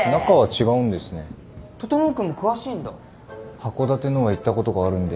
函館のは行ったことがあるんで。